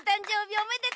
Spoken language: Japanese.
おめでと！